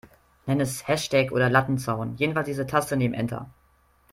Nenn es Hashtag oder Lattenzaun, jedenfalls diese Taste neben Enter.